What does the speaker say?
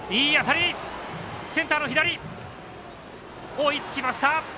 追いつきました！